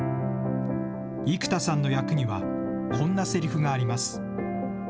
生田さんの役には、こんなせりふがあります。